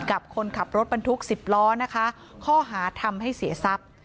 กับคนขับรถบรรทุก๑๐ล้อนะคะข้อหาทำให้เสียทรัพย์